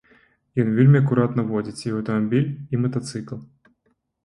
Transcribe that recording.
Ён вельмі акуратна водзіць і аўтамабіль, і матацыкл.